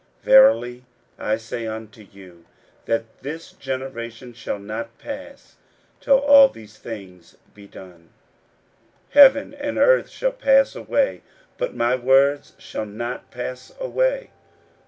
41:013:030 Verily I say unto you, that this generation shall not pass, till all these things be done. 41:013:031 Heaven and earth shall pass away: but my words shall not pass away.